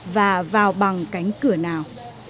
và vào bằng cánh cửa nào